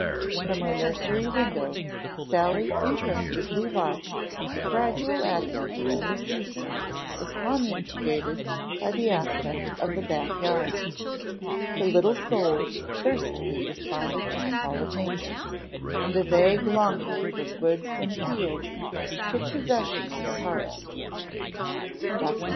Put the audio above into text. From her nursery window Sally interestedly watched the gradual advent of the new season as promulgated by the aspect of the back yard. Her little soul thirstily responded to the call of nature and a vague longing for woods and fields took possession of her heart. Dr.